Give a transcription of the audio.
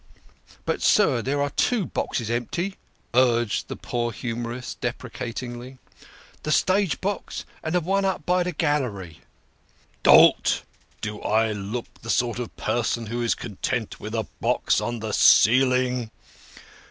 " But, sir, there are two boxes empty," urged the poor humorist deprecatingly, " the stage box and the one by the gallery." " Dolt ! Do I look the sort of person who is content with a box on the ceiling?